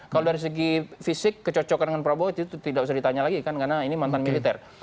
kalau dari segi fisik kecocokan dengan prabowo itu tidak usah ditanya lagi kan karena ini mantan militer